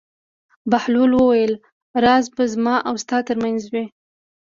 بهلول وویل: راز به زما او ستا تر منځ وي.